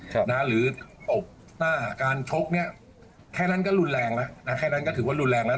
หรือตบหน้าการชกเนี่ยแค่นั้นก็รุนแรงแล้วนะแค่นั้นก็ถือว่ารุนแรงแล้ว